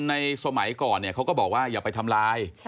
สมัยก่อนเขาก็บอกว่าอย่าไปทำลาย